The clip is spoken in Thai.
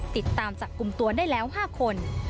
ติดตามจับกลุ่มตัวได้แล้ว๕คน